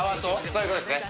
そういう事ですね。